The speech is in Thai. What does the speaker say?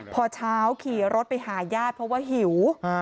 พอเช้าขี่รถไปหาญาติเพราะว่าหิว